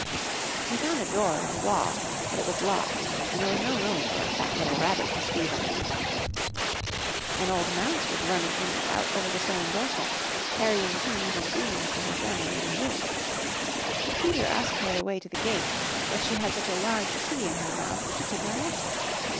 He found a door in a wall; but it was locked and there was no room for a fat little rabbit to squeeze underneath. An old mouse was running in and out over the stone doorstep, carrying peas and beans to her family in the wood. Peter asked her the way to the gate but she had such a large pea in her mouth she could not answer.